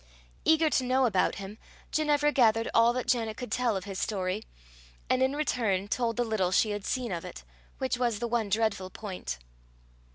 Eager to know about him, Ginevra gathered all that Janet could tell of his story, and in return told the little she had seen of it, which was the one dreadful point.